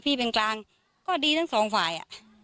พี่เป็นกลางก็ดีทั้งสองฝ่าย